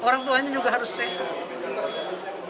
orang tuanya juga harus sehat